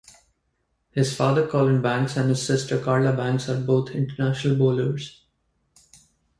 His father Colin Banks and his sister Carla Banks are both international bowlers.